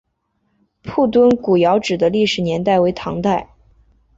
铺墩古窑址的历史年代为唐代。